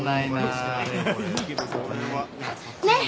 ねっ！